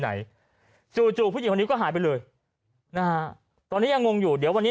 ไหนจู่จู่ผู้หญิงคนนี้ก็หายไปเลยนะฮะตอนนี้ยังงงอยู่เดี๋ยววันนี้